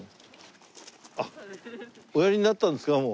あっおやりになったんですか？